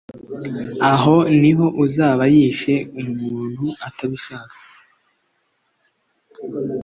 aho ni ho uzaba yishe umuntu atabishaka